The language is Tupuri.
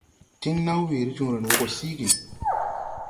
Tiŋ naw weere jõõren wɔ gɔ siigi.